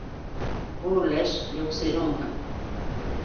Bullaćh lluqsirunqa.